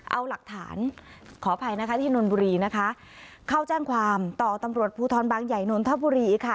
เอาหลักฐานขออภัยนะคะที่นนบุรีนะคะเข้าแจ้งความต่อตำรวจภูทรบางใหญ่นนทบุรีค่ะ